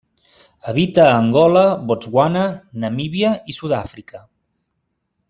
Habita a Angola, Botswana, Namíbia i Sud-àfrica.